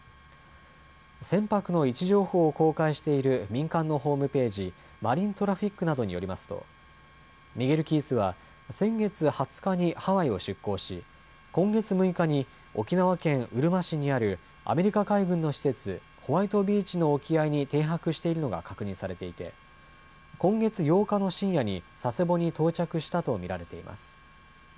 船舶の位置情報を公開している民間のホームページ、マリントラフィックなどによりますとミゲルキースは先月２０日にハワイを出港し今月６日に沖縄県うるま市にあるアメリカ海軍の施設、ホワイトビーチの沖合に停泊しているのが確認されていて今月８日の深夜に佐世保に到着したと見られています。